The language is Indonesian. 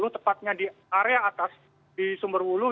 yang tepatnya di area atas di sumberwuluh